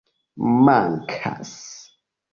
Mankas.